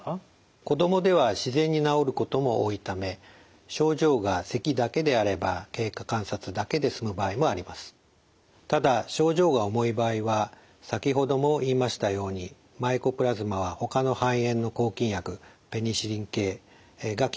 子どもでは自然に治ることも多いためただ症状が重い場合は先ほども言いましたようにマイコプラズマはほかの肺炎の抗菌薬ペニシリン系が効きません。